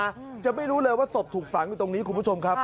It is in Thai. อืมจะไม่รู้เลยว่าศพถูกฝังอยู่ตรงนี้คุณผู้ชมครับ